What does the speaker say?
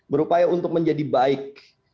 berupaya untuk menjadi baik